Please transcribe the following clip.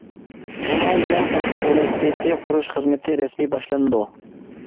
بۇنىڭ بىلەن قەشقەر ئۇنىۋېرسىتېتى قۇرۇش خىزمىتى رەسمىي باشلىنىدۇ.